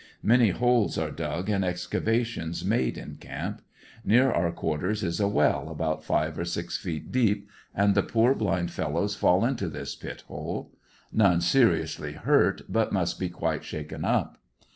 Many holes are dug and excavations made in camp. Near our quarters is a well about five or six feet deep, and the poor blind fellows fall into this pit hole. None seriously hurt, but must be quite shaken up.